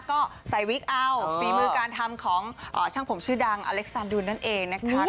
ก็ใส่วิกเอาฝีมือการทำของช่างผมชื่อดังอเล็กซานดูนนั่นเองนะคะ